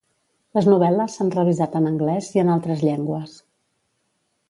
Les novel·les s'han revisat en anglès i en altres llengües.